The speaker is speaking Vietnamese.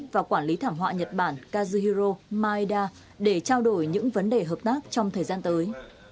và quản lý thảm họa nhật bản kazuro maeda để trao đổi những vấn đề hợp tác trong thời gian tới